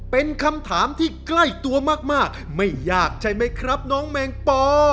เป็นคำถามที่ใกล้ตัวมากไม่ยากใช่ไหมครับน้องแมงปอ